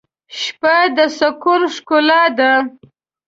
شپه د سکون ښکلا ده.